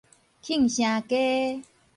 慶城街